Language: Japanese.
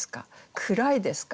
暗いですか？